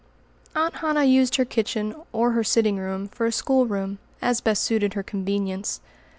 Aunt Hannah used her kitchen or her sitting room for a schoolroom, as best suited her convenience.